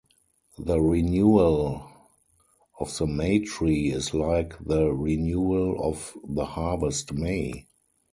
The renewal of the May-tree is like the renewal of the Harvest-May.